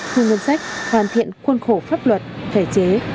thu ngân sách hoàn thiện khuôn khổ pháp luật thể chế